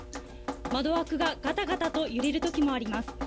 窓枠ががたがたと揺れるときもあります。